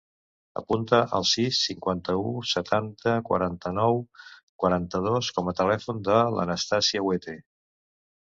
Apunta el sis, cinquanta-u, setanta, quaranta-nou, quaranta-dos com a telèfon de l'Anastàsia Huete.